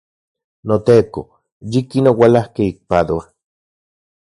NoTeko, yikin oualakej ik Padua.